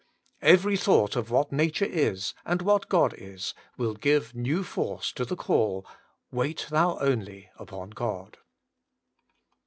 Every thought of what Nature is, and what God is, will give new force to the call : 'Wait thou only upon God.'